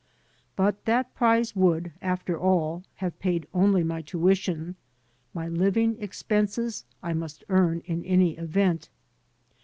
But that prize would, after all, have paid only my tuition; my living expenses I must earn in any event.